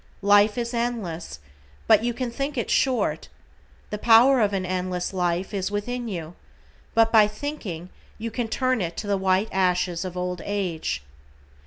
Life is endless, but you can think it short, "The power of an endless life," is within you, but by thinking you can turn it to the white ashes of old age.